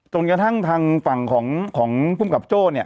จนกระทั่งทางฝั่งของภูมิกับโจ้เนี่ย